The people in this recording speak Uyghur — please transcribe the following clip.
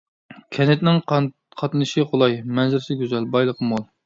كەنتنىڭ قاتنىشى قولاي، مەنزىرىسى گۈزەل، بايلىقى مول.